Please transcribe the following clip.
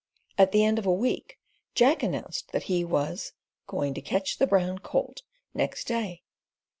At the end of a week Jack announced that he was "going to catch the brown colt," next day.